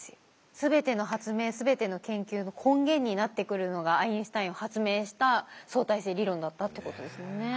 全ての発明全ての研究の根源になってくるのがアインシュタインが発明した相対性理論だったってことですよね。